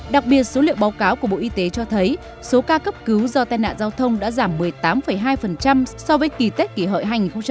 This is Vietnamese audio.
đặc biệt số liệu báo cáo của bộ y tế cho thấy số ca cấp cứu do tai nạn giao thông đã giảm một mươi tám hai so với kỳ tết kỷ hợi hai nghìn một mươi chín